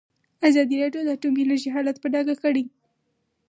ازادي راډیو د اټومي انرژي حالت په ډاګه کړی.